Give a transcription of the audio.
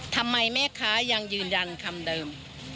ทำไมแม่ค้ายังยืนยันคำเดิม